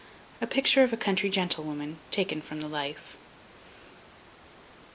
A picture of a country gentlewoman taken from the life.